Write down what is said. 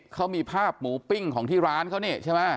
เขามีภาพหมูปิ้งของที่ร้านเขานี่ใช่ไหม